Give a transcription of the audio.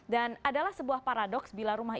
dan adalah sebuah paradoks bila rumah